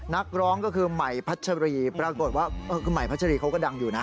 นักร้องก็คือใหม่พัชรีปรากฏว่าคือใหม่พัชรีเขาก็ดังอยู่นะ